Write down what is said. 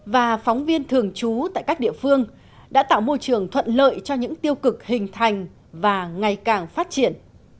và phóng viên thường trú tại các địa phương đã tạo môi trường thuận lợi cho những tiêu cực hình thành và ngày càng phát triển